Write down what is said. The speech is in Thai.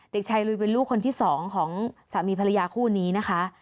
เด็กชายลุยเป็นลูกคนที่สองของสามีภรรยาคู่นี้นะคะ